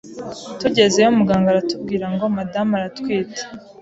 tugezeyo muganga aratubwira ngo madamu aratwite,